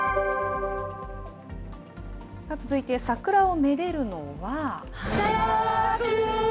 続いて桜をめでるのは。